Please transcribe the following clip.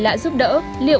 mấy tuổi rồi